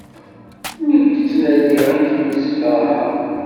Nekk ttnadiɣ ad kem-sferḥeɣ.